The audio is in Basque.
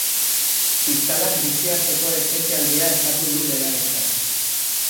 Fiskalak biziarteko espetxealdia eskatu du berarentzat.